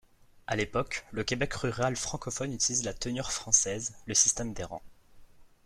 À l'époque, le Québec rural francophone utilise la tenure française, le système des rangs.